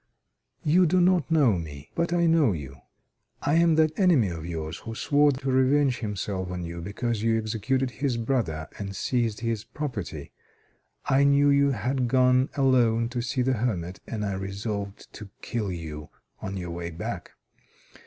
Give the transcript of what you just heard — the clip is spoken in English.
"You do not know me, but I know you. I am that enemy of yours who swore to revenge himself on you, because you executed his brother and seized his property. I knew you had gone alone to see the hermit, and I resolved to kill you on your way back.